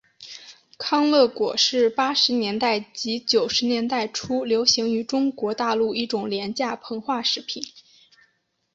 康乐果是八十年代及九十年代初流行于中国大陆一种廉价膨化食品。